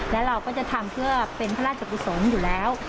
และเราก็จะทำเพื่อเป็นพระราชกุศลอยู่แล้ว